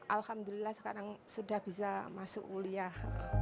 alhamdulillah sekarang sudah bisa masuk kuliah